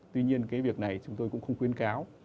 tuy nhiên cái việc này chúng tôi cũng không khuyến cáo